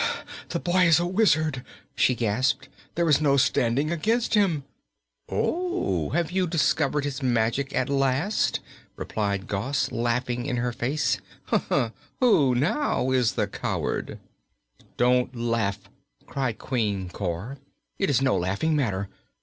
"That boy is a wizard!" she gasped. "There is no standing against him." "Oh, have you discovered his magic at last?" replied Gos, laughing in her face. "Who, now, is the coward?" "Don't laugh!" cried Queen Cor. "It is no laughing matter.